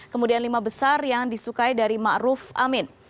kemudian lima besar yang disukai dari ma'ruf amin